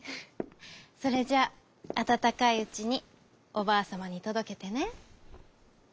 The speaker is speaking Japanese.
それじゃああたたかいうちにおばあさまにとどけてね」。